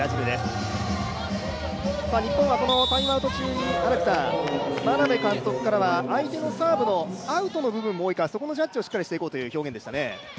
日本はタイムアウト中に眞鍋監督からは相手のサーブのアウトの部分も多いからそこのジャッジをしっかりしていこうという表現でしたね。